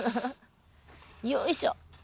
よいしょ。